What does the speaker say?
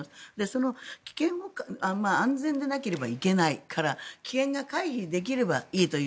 その安全でなければいけないから危険が回避できればいいという